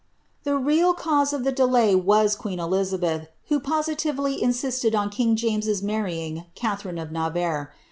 The real cause of the delay was queen Elizabeth, who positively in sisted on king James' marrying Catherine of Navarre.